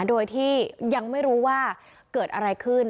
โดยที่ยังไม่รู้ว่าเกิดอะไรขึ้น